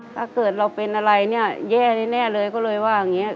ถ้าเกิดเราเป็นอะไรเนี่ยแย่แน่เลยก็เลยว่าอย่างนี้